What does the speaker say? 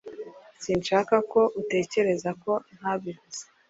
Sinshaka ko utekereza ko ntabivuze